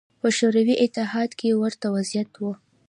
په شوروي اتحاد کې هم ورته وضعیت و.